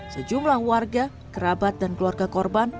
sejumlah warga kerabat dan keluarga korban